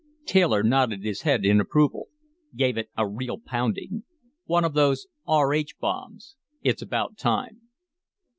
Taylor nodded his head in approval. "Gave it a real pounding. One of those R H bombs. It's about time."